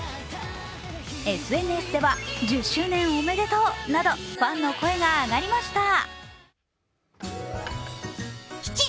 ＳＮＳでは、１０周年おめでとうなどファンの声が上がりました。